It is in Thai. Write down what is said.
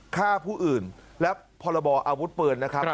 ฆ่าผู้อื่นและพรบออาวุธปืนนะครับ